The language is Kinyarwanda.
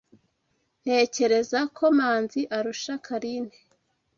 Ntekereza ko Manzi arusha carine.